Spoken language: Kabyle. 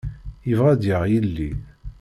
Yebɣa ad yaɣ yelli.